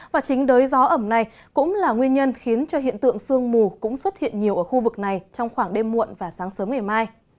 và chính đới gió ẩm này cũng là nguyên nhân khiến cho hiện tượng sương mù cũng xuất hiện nhiều ở khu vực này trong khoảng đêm muộn và sáng sớm ngày mai